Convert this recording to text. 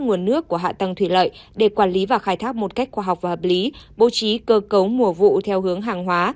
nguồn nước của hạ tầng thủy lợi để quản lý và khai thác một cách khoa học và hợp lý bố trí cơ cấu mùa vụ theo hướng hàng hóa